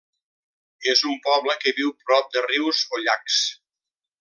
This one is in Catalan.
És un poble que viu prop de rius o llacs.